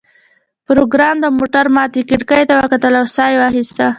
پروګرامر د موټر ماتې کړکۍ ته وکتل او ساه یې واخیسته